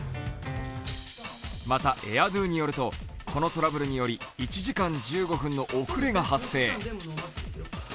また、ＡＩＲＤＯによるとこのトラブルにより１時間１５分の遅れが発生。